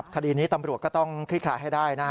คดีนี้ตำรวจก็ต้องคลิกขาให้ได้